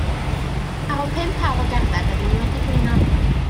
Ar ôl pump awr o gerdded oeddan ni wedi blino.